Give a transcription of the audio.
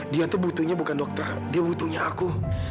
dia tuh butuhnya bukan dokter dia butuhnya aku